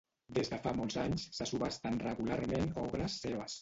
Des de fa molts anys se subhasten regularment obres seves.